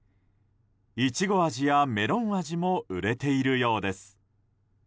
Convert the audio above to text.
イチゴ味やメロン味も売れているようです。